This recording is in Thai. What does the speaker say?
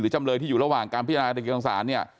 หรือจำเลยที่อยู่ระหว่างการพิจารณาการติดต่อสารเนี่ย